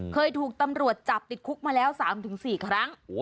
เคยถูกตำรวจจับติดคุกมาแล้ว๓๔ครั้ง